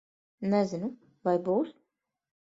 Nezinu. Vai būs?